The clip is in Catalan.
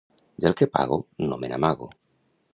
Del que pago no me n'amago.